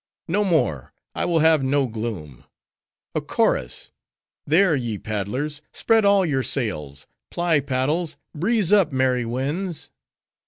"No more. I will have no gloom. A chorus! there, ye paddlers! spread all your sails; ply paddles; breeze up, merry winds!"